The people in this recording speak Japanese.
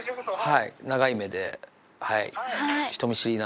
はい。